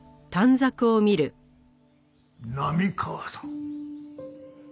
波川さん？